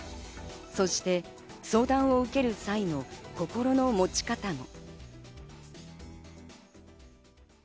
そして相談を受ける際の心の持ち方も。